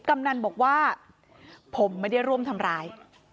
กำนันบอกว่าผมไม่ได้ร่วมทำร้าย